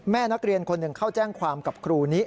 แม่นักเรียนคนหนึ่งเข้าแจ้งความกับครูนี้